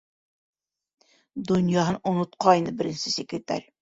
Донъяһын онотҡайны беренсе секретарь!